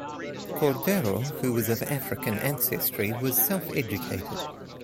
Cordero, who was of African ancestry, was self-educated.